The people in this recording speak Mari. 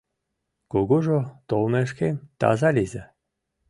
Кугужо, толмешкем, таза лийза!